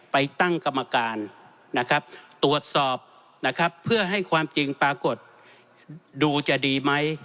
ไปตั้งกรรมการตรวจสอบเพื่อให้ความจริงปรากฏดูจะดีไหม